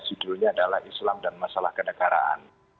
judulnya adalah islam dan masalah kenegaraan